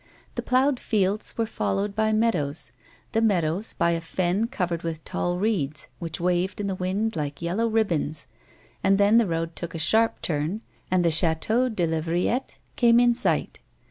The ploughed fields were followed by meadows, the meadows by a fen covered with tall reeds, which waved in the wind like yellow ribbons, and then the road took a sharp turn and the Chateau de la Vrillette came in sight.